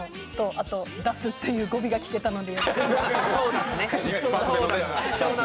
あと「だす」っていう語尾が来てたので。